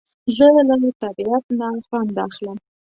زه له طبیعت نه خوند اخلم